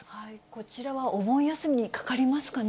こちらはお盆休みにかかりますかね。